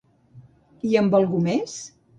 I amb algú més?